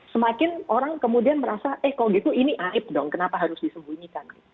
semakin orang kemudian merasa eh kalau gitu ini aib dong kenapa harus disembunyikan